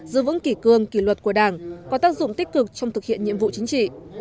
giữ vững kỷ cương kỷ luật của đảng có tác dụng tích cực trong thực hiện nhiệm vụ chính trị